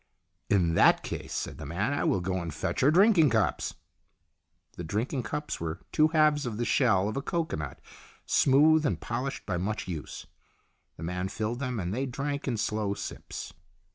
" In that case," said the man, " I will go and fetch our drinking cups." The drinking cups were two halves of the shell of a cocoanut, smooth and polished by much use. The man filled them, and they drank in slow sips.